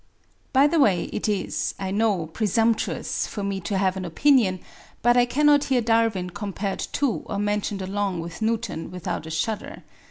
By the way, it is, I know, presumptuous for me to have an opinion, but I cannot hear Darwin compared to or mentioned along with Newton without a shudder.